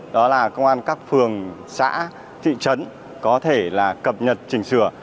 đó là công an các phường xã thị trấn có thể là cập nhật chỉnh sửa